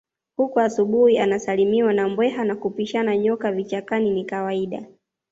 Huku asubuhi anasalimiwa na mbweha na kupishana nyoka vichakani ni kawaida